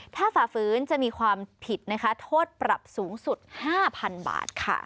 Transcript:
ถ้าฝ่าฝืนจะมีความผิดนะคะโทษปรับสูงสุด๕๐๐๐บาทค่ะ